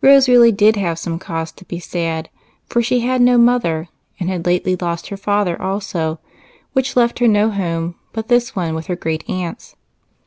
Rose really did have some cause to be sad ; for she had no mother, and had lately lost her father also, which left her no home but this with her great aunts.